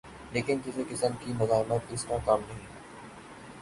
لیکن کسی قسم کی مزاحمت اس کا کام نہیں۔